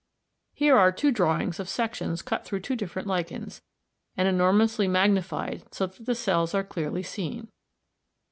Here are two drawings of sections cut through two different lichens, and enormously magnified so that the cells are clearly seen.